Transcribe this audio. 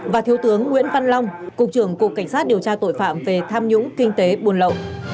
và thiếu tướng nguyễn văn long cục trưởng cục cảnh sát điều tra tội phạm về tham nhũng kinh tế buôn lậu